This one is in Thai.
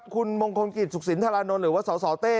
คุณมงคลกิจสุขสินธรานนท์หรือว่าสสเต้